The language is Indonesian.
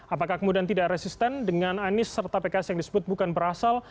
apakah kemudian tidak resisten dengan anies serta pks yang disebut bukan berasal